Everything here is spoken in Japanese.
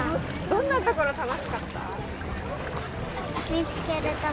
どんなところ、楽しかった？